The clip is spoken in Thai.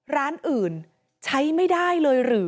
ร้านอื่นใช้ไม่ได้เลยหรือ